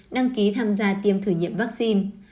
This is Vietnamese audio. đăng ký tham gia tiêm thử nghiệm vaccine